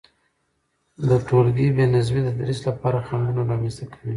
د تولګي بي نظمي د تدريس لپاره خنډونه رامنځته کوي،